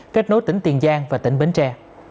kết nối tỉnh tiền giang và tỉnh bến tre